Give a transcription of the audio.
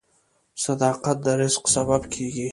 • صداقت د رزق سبب کیږي.